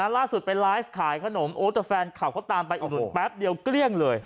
ล่าสุดไปไลฟ์ขายขนมโอ้แต่แฟนคลับเขาตามไปอุดหนุนแป๊บเดียวเกลี้ยงเลย